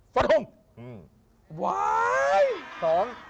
ฟะทุ่ม